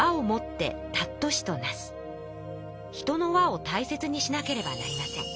「人の和をたいせつにしなければなりません。